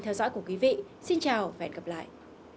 theo dõi của quý vị xin chào và hẹn gặp lại